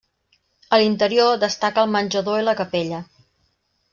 A l'interior destaca el menjador i la capella.